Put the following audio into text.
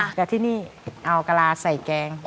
แต่ที่นี่เอากะลาใส่แกง